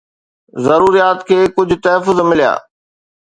ضروريات کي ڪجهه تحفظ مليا